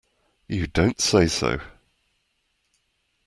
You don't say so!